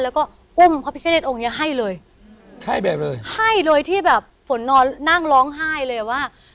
แล้วก็อุ้มพระพิฆเนธองค์เนี้ยให้เลยให้แบบเลยให้เลยที่แบบฝนนอนนั่งร้องไห้เลยอ่ะว่า